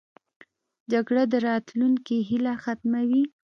جګړه د راتلونکې هیله ختموي